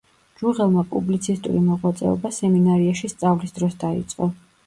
ჯუღელმა პუბლიცისტური მოღვაწეობა სემინარიაში სწავლის დროს დაიწყო.